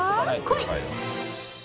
こい！